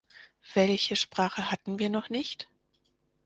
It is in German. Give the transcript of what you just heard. Welche Sprache hatten wir noch nicht?